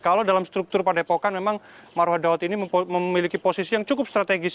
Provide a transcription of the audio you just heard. kalau dalam struktur padepokan memang marwah daud ini memiliki posisi yang cukup strategis